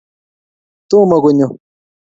tomo konyo